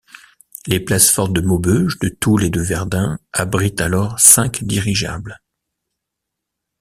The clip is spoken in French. Les places fortes de Maubeuge, de Toul et de Verdun abritent alors cinq dirigeables.